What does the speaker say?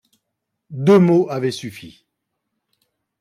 Deux mots avaient suffi.